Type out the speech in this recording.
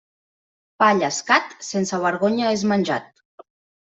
Pa llescat, sense vergonya és menjat.